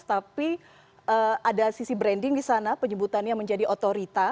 tapi ada sisi branding di sana penyebutannya menjadi otorita